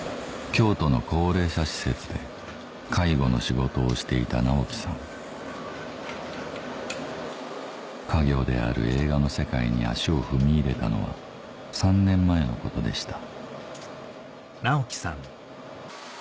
京都の高齢者施設で介護の仕事をしていた直樹さん家業である映画の世界に足を踏み入れたのは３年前のことでした